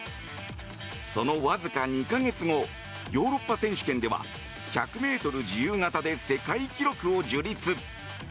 そのわずか２か月後ヨーロッパ選手権では１００ｍ自由形で世界記録を樹立。